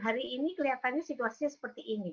hari ini kelihatannya situasinya seperti ini